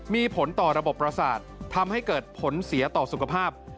มีผลต่อระบบประสาททำให้เกิดผลเสียต่อสุขภาพ